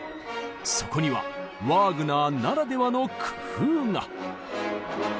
そこにはワーグナーならではの工夫が。